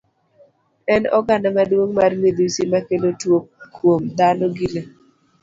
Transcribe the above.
En oganda maduong' mar midhusi makelo tuo kuom dhano gi lee.